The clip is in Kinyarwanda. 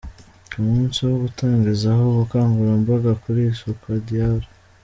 Ku munsi wo gutangizaho ubukangurambaga ku isuku, Dr.